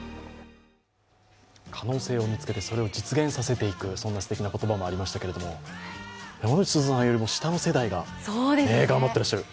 可能性を見つけて、それを実現させていく、そんな素敵な言葉もありましたけれども、山之内すずさんよりも下の世代が頑張っていらっしゃる。